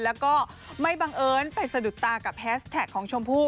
แล้วก็ไม่บังเอิญไปสะดุดตากับแฮสแท็กของชมพู่